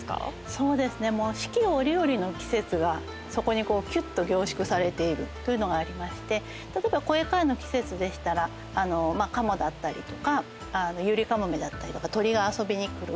そうですね四季折々の季節がそこにキュッと凝縮されているというのがありまして例えばこれからの季節でしたらカモだったりとかユリカモメだったりとか鳥が遊びに来る。